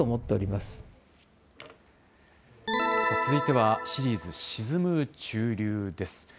続いては、シリーズ沈む中流です。